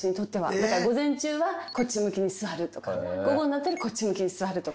だから午前中はこっち向きに座るとか午後になったらこっち向きに座るとか。